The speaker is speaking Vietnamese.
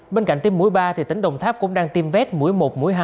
bên cạnh tiêm mũi ba tỉnh đồng tháp cũng đang tiêm vét mũi một mũi hai